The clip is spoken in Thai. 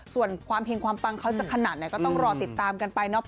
ส่วนความเห็งความปังเขาจะขนาดไหนก็ต้องรอติดตามกันไปเนาะ